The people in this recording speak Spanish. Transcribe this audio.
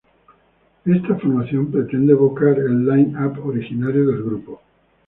Esta formación pretende evocar el line-up originario del grupo.